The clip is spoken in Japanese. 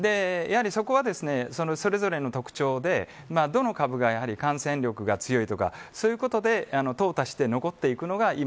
そこはそれぞれの特徴で、どの株が感染力が強いとかそういうことで淘汰して残っているのがＢＡ